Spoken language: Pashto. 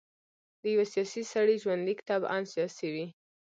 د یوه سیاسي سړي ژوندلیک طبعاً سیاسي وي.